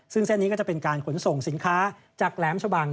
ซึ่งเส้นนี้ก็จะเป็นการขนส่งสินค้าจากแหลมชะบัง